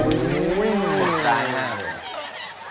โอ้โหสงสัยมาก